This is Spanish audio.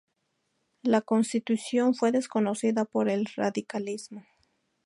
La constitución fue desconocida por el radicalismo.